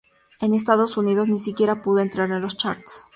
En Estados Unidos ni siquiera pudo entrar a los charts.